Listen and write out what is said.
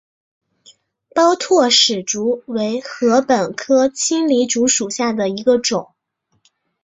包箨矢竹为禾本科青篱竹属下的一个种。